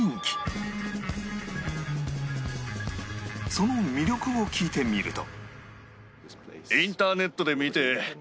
その魅力を聞いてみると